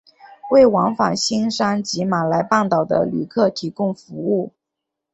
为往返新山及马来半岛的旅客提供服务。